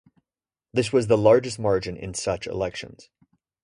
This was the largest margin in such elections.